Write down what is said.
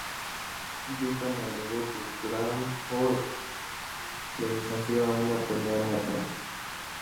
Duncan alegó que Crawford le desafió a una pelea en la cancha.